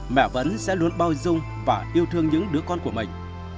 mẹ vẫn sẽ luôn bao dung và yêu thương những đứa con của mình